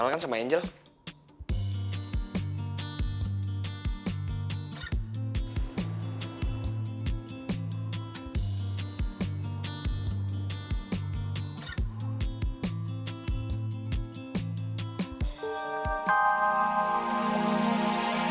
apa pharm ended banget itulah aku selesa